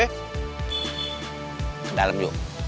ke dalem yuk